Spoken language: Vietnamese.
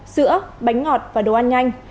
sữa bánh ngọt và đồ ăn nhanh